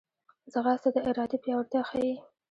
ځغاسته د ارادې پیاوړتیا ښيي